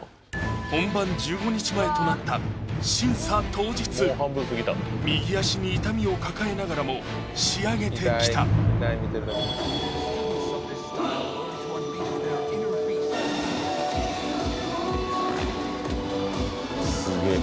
本番１５日前となった審査当日右足に痛みを抱えながらも仕上げてきたスゲえ